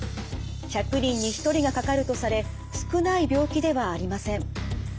１００人に１人がかかるとされ少ない病気ではありません。